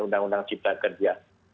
undang undang cipta kerja